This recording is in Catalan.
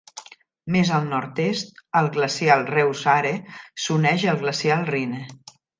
Més al nord-est, el glacial Reuss-Aare s'uneix al glacial Rhine.